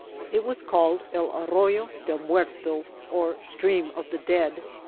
It was called El Arroyo del Muerto, or Stream of the Dead.